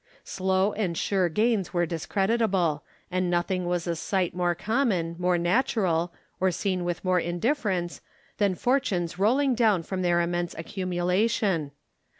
Slow and sure gains were discreditable ; and nothing was a sight more common, more natural, or seen with more indifference, than fortunes rolling down from their immense accumulation.